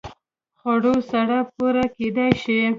خوړو سره پوره کېدای شي